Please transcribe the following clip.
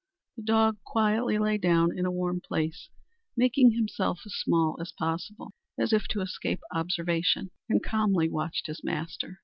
The dog quietly lay down in a warm place, making himself as small as possible, as if to escape observation, and calmly watched his master.